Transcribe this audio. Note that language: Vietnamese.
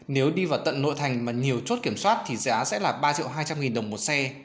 nếu đi vào tận nội thành mà nhiều chốt kiểm soát thì giá sẽ là ba triệu hai trăm linh nghìn đồng một xe